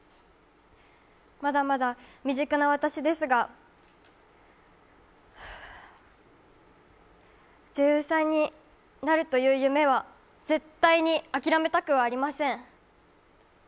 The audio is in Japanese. まだまだ未熟な私ですが、女優さんになるという夢は絶対に諦めたくはありません。